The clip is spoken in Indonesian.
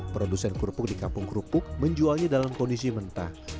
produsen kerupuk di kampung kerupuk menjualnya dalam kondisi mentah